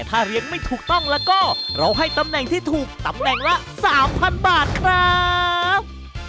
ถ้าเรียนไม่ถูกต้องแล้วก็เราให้ตำแหน่งที่ถูกตำแหน่งละ๓๐๐บาทครับ